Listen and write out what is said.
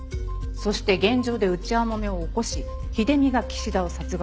そして現場で内輪もめを起こし秀美が岸田を殺害。